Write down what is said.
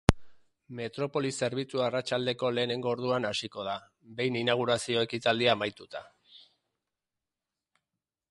Metropoli zerbitzua arratsaldeko lehenengo orduan hasiko da, behin inaugurazio-ekitaldia amaituta.